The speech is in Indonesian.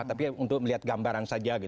tapi untuk melihat gambaran saja